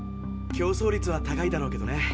競争率は高いだろうけどね。